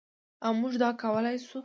او موږ دا کولی شو.